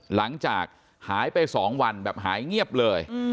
หลังจากหายไป๒วันแบบหายเงียบเลย